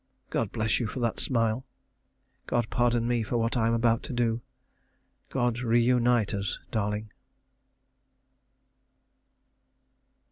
God bless you for that smile. God pardon me for what I am about to do. God reunite us, darling.